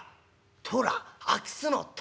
「寅空き巣の寅。